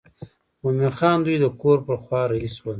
مومن خان دوی د کور پر خوا رهي شول.